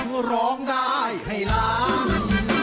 ในรายการร้องได้ให้ร้านลูกทุ่งสู้ชีวิต